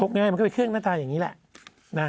ง่ายมันก็เป็นเครื่องหน้าตาอย่างนี้แหละ